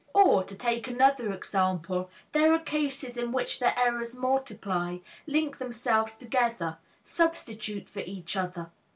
Or, to take another example, there are cases in which the errors multiply, link themselves together, substitute for each other.